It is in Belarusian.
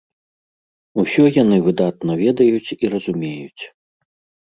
Усё яны выдатна ведаюць і разумеюць.